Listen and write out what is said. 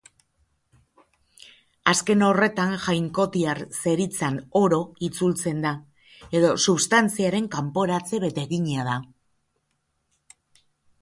Azken horretan jainkotiar zerizan oro itzultzen da, edo substantziaren kanporatze betegina da.